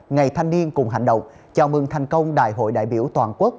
ngày thanh niên cùng hành động chào mừng thành công đại hội đại biểu toàn quốc